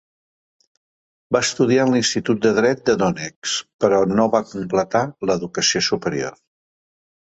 Va estudiar en l'Institut de Dret de Donetsk, però no va completar l'educació superior.